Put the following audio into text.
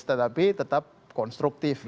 tetapi tetap konstruktif